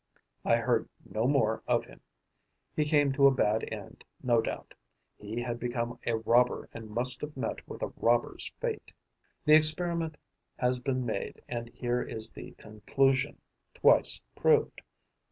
I heard no more of him. He came to a bad end, no doubt: he had become a robber and must have met with a robber's fate. The experiment has been made and here is the conclusion, twice proved.